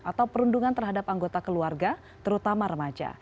atau perundungan terhadap anggota keluarga terutama remaja